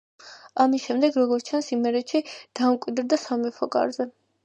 ამის შემდეგ, როგორც ჩანს, იმერეთში დამკვიდრდა სამეფო კარზე.